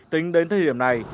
tính đến thời điểm này